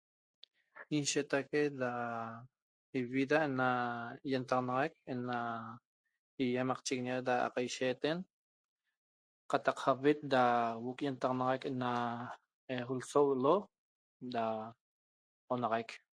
Inshetaque da iviraguet ientaxanaxaqui ena imachiguiñe da caiceten cataq avit da huoo ca ientaxanaxaq ena lsoc lo da onaxaiq